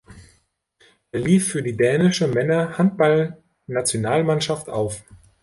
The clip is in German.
Er lief für die dänische Männer-Handballnationalmannschaft auf.